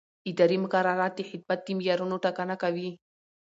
اداري مقررات د خدمت د معیارونو ټاکنه کوي.